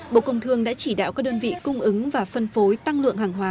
bộ công thương đã chỉ đạo các đơn vị cung ứng và phân phối tăng lượng hàng hóa